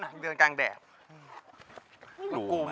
โหโธ่โถ่เอ้ย